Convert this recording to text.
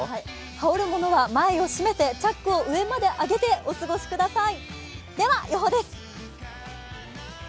羽織るものは前を締めてチャックを上まで締めてお過ごしください。